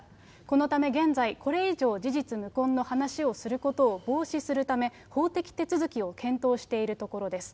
このため現在、これ以上、事実無根の話をすることを防止するため、法的手続きを検討しているところです。